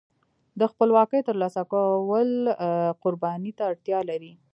د خپلواکۍ ترلاسه کول قربانۍ ته اړتیا لري.